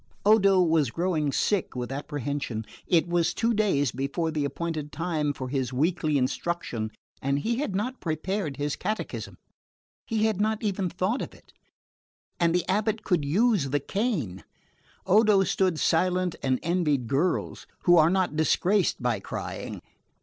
Odo was growing sick with apprehension. It was two days before the appointed time for his weekly instruction and he had not prepared his catechism. He had not even thought of it and the abate could use the cane. Odo stood silent and envied girls, who are not disgraced by crying.